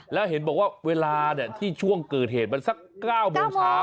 แล้วเห็นบอกว่าเวลาที่ช่วงเกิดเหตุมันสัก๙โมงเช้า